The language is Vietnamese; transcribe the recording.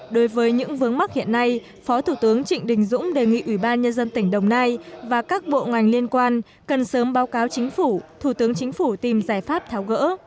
đối với những vướng mắc hiện nay phó thủ tướng trịnh đình dũng đề nghị ủy ban nhân dân tỉnh đồng nai và các bộ ngành liên quan cần sớm báo cáo chính phủ thủ tướng chính phủ tìm giải pháp tháo gỡ